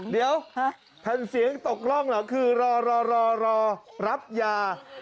เดี๋ยวท่านเสียงตกร่องเหรอคือรอรอรับยา